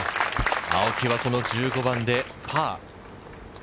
青木はこの１５番でパー。